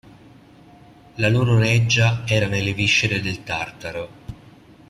La loro reggia era nelle viscere del Tartaro.